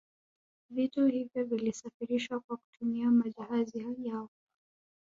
Vitu hivyo vilisafirishwa kwa kutumia majahazi yao